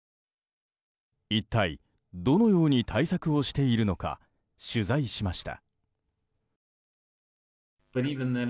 一体どのように対策をしているのか取材しました。